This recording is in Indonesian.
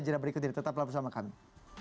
jadwal berikut ini tetaplah bersama kami